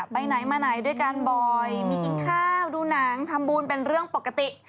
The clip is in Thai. ไปไหนมาไหนด้วยกันบ่อยมีกินข้าวดูหนังทำบุญเป็นเรื่องปกติ